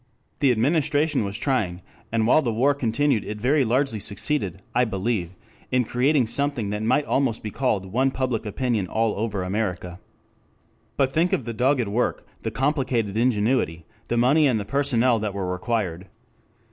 The Administration was trying, and while the war continued it very largely succeeded, I believe, in creating something that might almost be called one public opinion all over America. But think of the dogged work, the complicated ingenuity, the money and the personnel that were required.